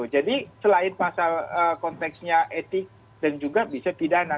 jadi selain pasal konteksnya etik dan juga bisa pidana